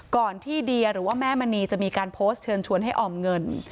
ก่อนที่เดียหรือว่าแม่มณีจะมีการโพสต์เชิญชวนให้ออมเงิน